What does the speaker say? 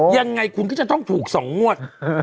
ยังไงคุณก็จะต้องถูก๒งวด